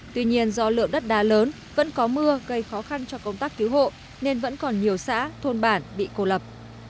tuy nhiên do lượng đất đá lớn vẫn có mưa gây khó khăn cho công tác cứu hộ nên vẫn còn nhiều xã thôn bản bị cô lập